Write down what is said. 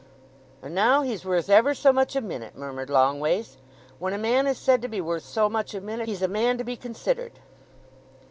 "And now he's worth ever so much a minute," murmured Longways. "When a man is said to be worth so much a minute, he's a man to be considered!"